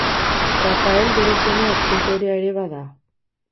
Rafael bere semea eskultorea ere bada.